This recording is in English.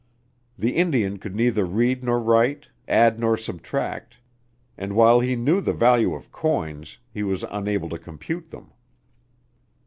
The Indian could neither read nor write, add nor subtract, and while he knew the value of coins, he was unable to compute them.